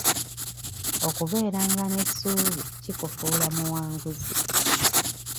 Okubeeranga n'essuubi kikufuula muwanguzi.